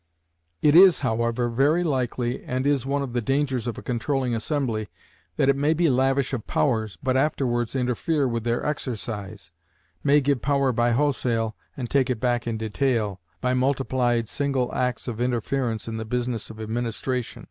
It is, however, very likely, and is one of the dangers of a controlling assembly, that it may be lavish of powers, but afterwards interfere with their exercise; may give power by wholesale, and take it back in detail, by multiplied single acts of interference in the business of administration.